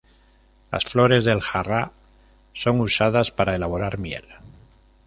Las flores del jarrah son usadas para elaborar miel.